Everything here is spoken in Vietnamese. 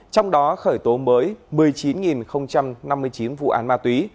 trong đó khởi tố mới một mươi chín năm mươi chín vụ án ma túy